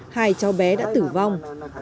hai cháu bé đã tử vong